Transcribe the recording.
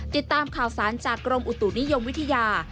ติดตามข่าวสารจากกรมอุตุนิยมวิทยา